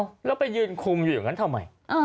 แล้วไปยืนคุมอยู่อย่างนั้นทำไม